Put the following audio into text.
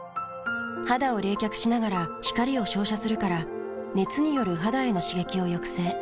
肌を冷却しながら光を照射するから熱による肌への刺激を抑制。